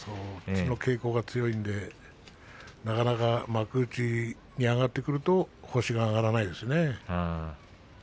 その傾向が強いのでなかなか幕内に上がってくると星が挙がらないですね。